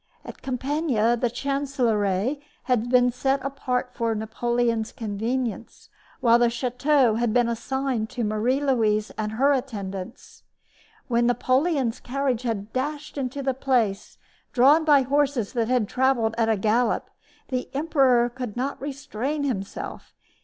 At Compiegne the chancellerie had been set apart for Napoleon's convenience, while the chateau had been assigned to Marie Louise and her attendants. When Napoleon's carriage dashed into the place, drawn by horses that had traveled at a gallop, the emperor could not restrain himself.